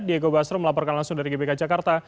diego basro melaporkan langsung dari gbk jakarta